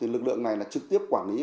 lực lượng này trực tiếp quản lý